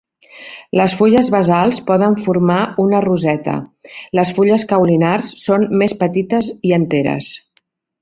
Les fulles basals poden formar una roseta; les fulles caulinars són més petites i enteres.